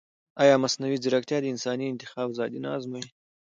ایا مصنوعي ځیرکتیا د انساني انتخاب ازادي نه ازموي؟